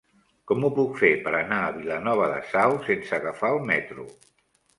Com ho puc fer per anar a Vilanova de Sau sense agafar el metro?